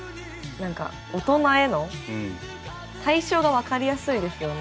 何か大人への対象が分かりやすいですよね。